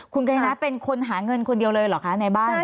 คุณกัญชนะเป็นคนหาเงินคนเดียวเลยเหรอคะในบ้าน